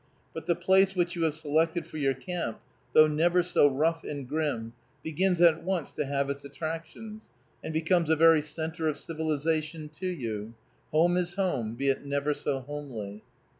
But the place which you have selected for your camp, though never so rough and grim, begins at once to have its attractions, and becomes a very centre of civilization to you: "Home is home, be it never so homely."